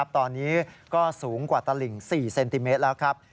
ตอนนี้ก็สูงกว่าตลิ่ง๔เซนติเมตรแล้วครับ